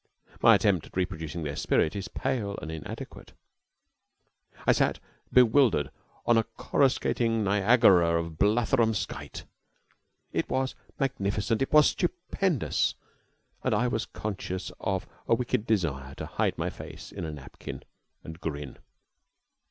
My attempt at reproducing their spirit is pale and inadequate. I sat bewildered on a coruscating Niagara of blatherum skite. It was magnificent it was stupendous and I was conscious of a wicked desire to hide my face in a napkin and grin.